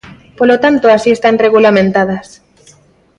Polo tanto, así están regulamentadas.